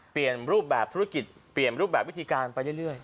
เปลี่ยนรูปแบบธุรกิจเปลี่ยนรูปแบบวิธีการไปเรื่อย